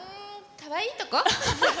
かわいいとこ。